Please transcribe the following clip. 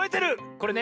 これね